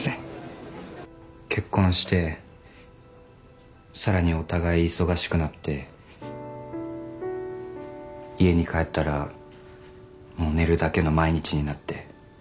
結婚してさらにお互い忙しくなって家に帰ったらもう寝るだけの毎日になって。